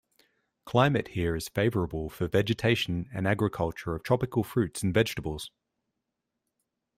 Climate here is favorable for vegetation and agriculture of tropical fruits and vegetables.